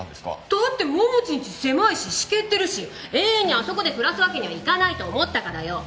だって桃地んち狭いし湿気ってるし永遠にあそこで暮らすわけにはいかないと思ったからよ。